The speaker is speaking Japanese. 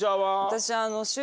私。